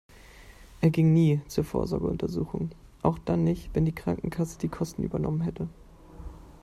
Er ging nie zur Vorsorgeuntersuchung, auch dann nicht, wenn die Krankenkasse die Kosten übernommen hätte.